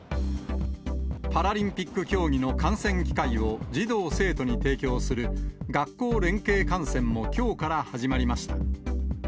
パラリンピック競技の観戦機会を児童・生徒に提供する、学校連携観戦もきょうから始まりました。